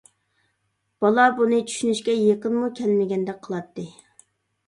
بالا بۇنى چۈشىنىشكە يېقىنمۇ كەلمىگەندەك قىلاتتى.